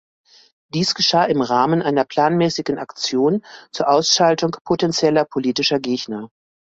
Dies geschah im Rahmen einer planmäßigen Aktion zur Ausschaltung potentieller politischer Gegner.